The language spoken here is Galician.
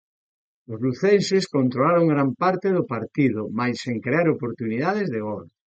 Os lucenses controlaron gran parte do partido, mais sen crear oportunidades de gol.